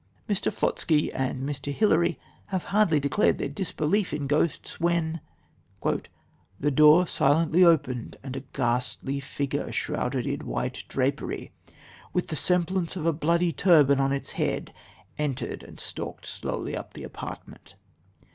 Mr. Flosky and Mr. Hilary have hardly declared their disbelief in ghosts when: "The door silently opened, and a ghastly figure, shrouded in white drapery with the semblance of a bloody turban on its head, entered and stalked slowly up the apartment.